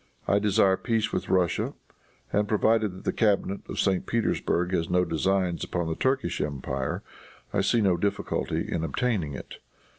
I desire peace with Russia, and, provided that the cabinet of St. Petersburg has no designs upon the Turkish empire, I see no difficulty in obtaining it.